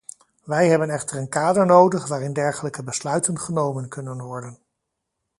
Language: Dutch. Wij hebben echter een kader nodig waarin dergelijke besluiten genomen kunnen worden.